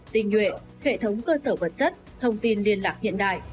tinh nhuệ hệ thống cơ sở vật chất thông tin liên lạc hiện đại